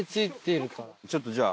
ちょっとじゃあ。